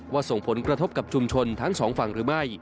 ส่งผลกระทบกับชุมชนทั้งสองฝั่งหรือไม่